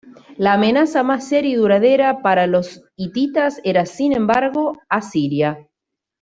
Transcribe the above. La amenaza más seria y duradera para los hititas era, sin embargo, Asiria.